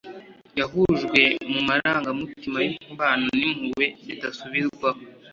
Yahujwe mumarangamutima yumubabaro nimpuhwe bidasubirwaho